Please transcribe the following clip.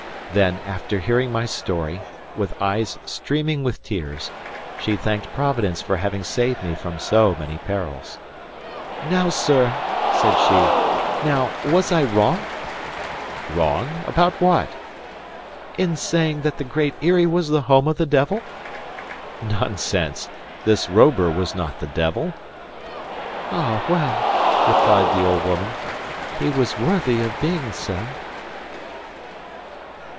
Then, after hearing my story, with eyes streaming with tears, she thanked Providence for having saved me from so many perils. "Now, sir," said she, "now—was I wrong?" "Wrong? About what?" "In saying that the Great Eyrie was the home of the devil?" "Nonsense; this Robur was not the devil!" "Ah, well!" replied the old woman, "he was worthy of being so!"